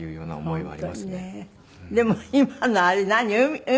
でも今のあれ何？